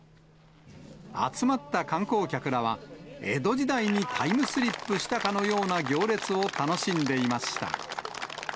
集まった観光客らは、江戸時代にタイムスリップしたかのような行列を楽しんでいました。